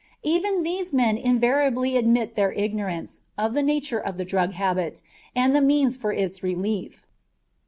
Even these men invariably admitted their ignorance of the nature of the drug habit and the means for its relief.